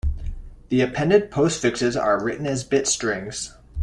The appended postfixes are written as bit strings.